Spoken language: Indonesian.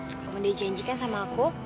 coba mudah janjikan sama aku